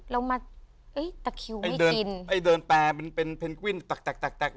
เรามาเอ้ยแต่คิวไม่กินไอ้เดินแปลเป็นเป็นเพนกวิ่นตักตักตักตัก